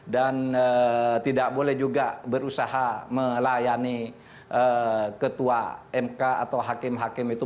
dan tidak boleh juga berusaha melayani ketua mk atau hakim hakim itu